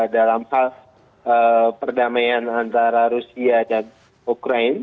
dalam hal perdamaian antara rusia dan ukraine